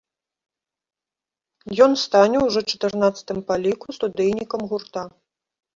Ён стане ўжо чатырнаццатым па ліку студыйнікам гурта.